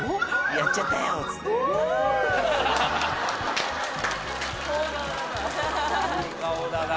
「やっちゃったよ」っつってフォ顔だないい顔だな